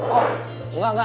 oh enggak enggak